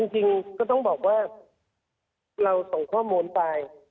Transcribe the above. จริงก็ต้องบอกว่าเราส่งข้อมูลไป